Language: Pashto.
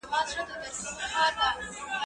زه شګه پاک کړی دی!